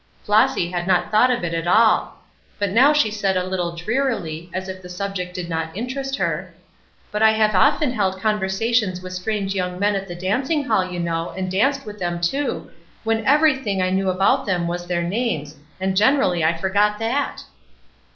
Flossy had not thought of it at all: but now she said a little drearily, as if the subject did not interest her: "But I have often held conversations with strange young men at the dancing hall, you know, and danced with them, too, when everything I knew about them was their names, and generally I forgot that."